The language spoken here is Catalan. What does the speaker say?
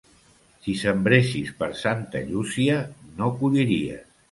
Si sembressis per Santa Llúcia, no colliries.